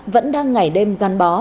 vẫn đang ngày đêm gắn bó